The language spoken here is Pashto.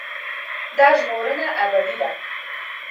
دا ژغورنه ابدي ده.